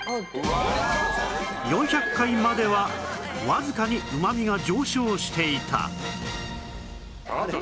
４００回まではわずかに旨味が上昇していた